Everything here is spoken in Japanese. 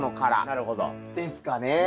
なるほど。ですかね。